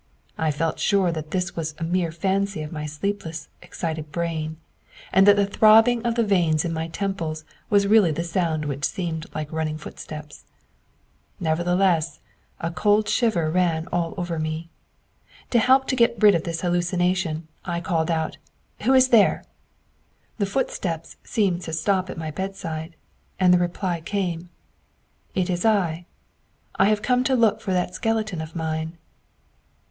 I felt quite sure that this was a mere fancy of my sleepless, excited brain; and that the throbbing of the veins in my temples was really the sound which seemed like running footsteps. Nevertheless, a cold shiver ran all over me. To help to get rid of this hallucination, I called out aloud: 'Who is there?' The footsteps seemed to stop at my bedside, and the reply came: 'It is I. I have come to look for that skeleton of mine.'